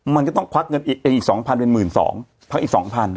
มันก็ต้องควักเงินเองอีก๒๐๐เป็น๑๒๐๐พักอีก๒๐๐